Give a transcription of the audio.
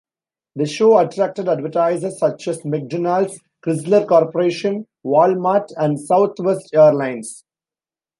The show attracted advertisers such as McDonald's, Chrysler Corporation, WalMart and Southwest Airlines.